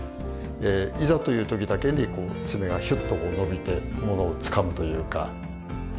いざという時だけに爪がヒュッと伸びてものをつかむというか。